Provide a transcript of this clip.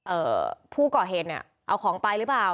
เอ่อผู้ก่อเห็นเอาของไปหรือเปล่า